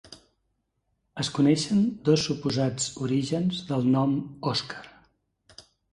Es coneixen dos suposats orígens del nom Òscar.